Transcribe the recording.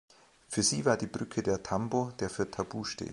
Für sie war die Brücke der Tambo, der für Tabu steht.